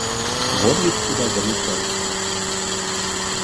Вон ведь куда залетел!